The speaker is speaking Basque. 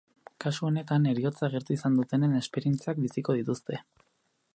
Kasu honetan, heriotza gertu izan dutenen esperientziak biziko dituzte.